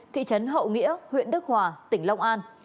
thị trấn hậu nghĩa huyện đức hòa tỉnh long an